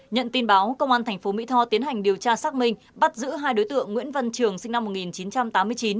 nhận tin báo công an tp mỹ tho tiến hành điều tra xác minh bắt giữ hai đối tượng nguyễn văn trường sinh năm một nghìn chín trăm tám mươi chín